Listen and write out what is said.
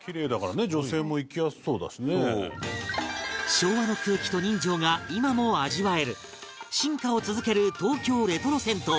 昭和の空気と人情が今も味わえる進化を続ける東京レトロ銭湯